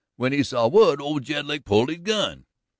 When he saw Wood, old Jedlick pulled his gun.